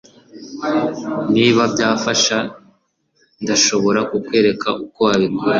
Niba byafasha ndashobora kukwereka uko wabikora